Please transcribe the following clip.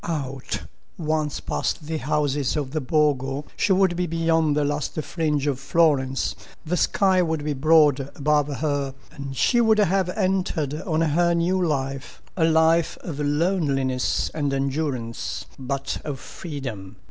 Out! Once past the houses of the Borgo, she would be beyond the last fringe of Florence, the sky would be broad above her, and she would have entered on her new life—a life of loneliness and endurance, but of freedom.